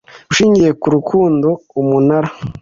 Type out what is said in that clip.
Ushingiye ku rukundo umunara